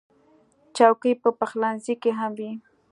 چوکۍ په پخلنځي کې هم وي.